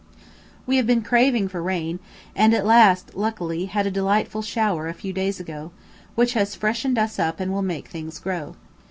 We have been craving for rain, and at last, luckily, had a delightful shower a few days ago, which has freshened us up and will make things grow.